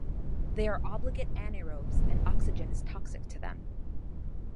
They are obligate anaerobes and oxygen is toxic to them.